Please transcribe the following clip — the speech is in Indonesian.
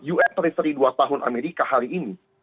us treasury dua tahun amerika hari ini